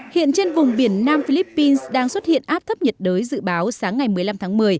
hiện trên vùng biển nam philippines đang xuất hiện áp thấp nhiệt đới dự báo sáng ngày một mươi năm tháng một mươi